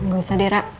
gak usah dera